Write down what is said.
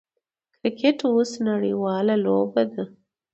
کرکټ اوس نړۍواله لوبه ده.